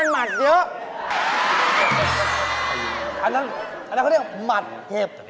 อันนั้นเขาเรียกหมัดเผ็บ